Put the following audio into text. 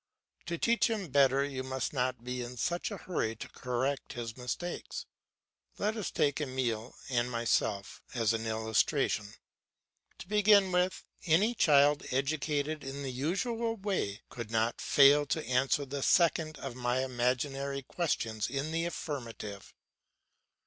To teach him better you must not be in such a hurry to correct his mistakes. Let us take Emile and myself as an illustration. To begin with, any child educated in the usual way could not fail to answer the second of my imaginary questions in the affirmative.